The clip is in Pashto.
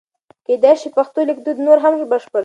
کېدای شي پښتو لیکدود نور هم بشپړ شي.